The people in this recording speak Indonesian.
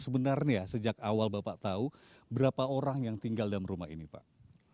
sebenarnya sejak awal bapak tahu berapa orang yang tinggal dalam rumah ini pak